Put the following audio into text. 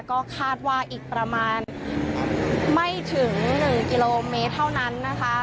ก็คาดว่าอีกประมาณไม่ถึง๑กิโลเมตรเท่านั้นนะคะ